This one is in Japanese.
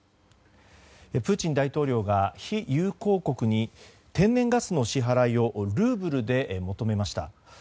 プーチン大統領が非友好国に天然ガスの支払いをルーブルで求めました。